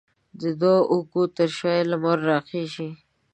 د دوو اوږو تر شا یې لمر راخیژي